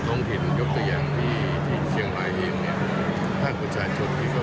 ก็ควรจะจัดภังษ์แต่ว่าเป็นแนวที่ได้ใช้